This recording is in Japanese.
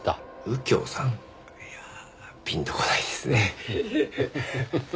いやぁピンとこないですね。